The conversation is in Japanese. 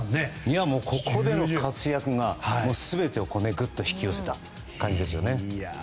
ここでの活躍がぐっと全てを引き寄せた感じですよね。